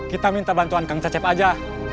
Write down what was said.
kita minta bantuan kang cecep aja